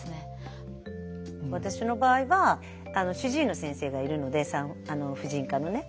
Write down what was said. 私の場合は主治医の先生がいるので婦人科のね。